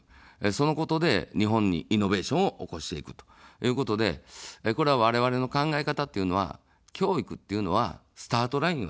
そのことで日本にイノベーションを起こしていくということで、これ、われわれの考え方というのは教育っていうのは、スタートラインをそろえる。